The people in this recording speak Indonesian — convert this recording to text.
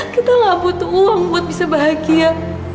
kita lah butuh uang buat bisa bahagia